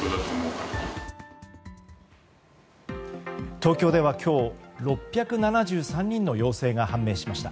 東京では今日６７３人の陽性が判明しました。